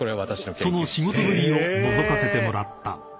［その仕事ぶりをのぞかせてもらった］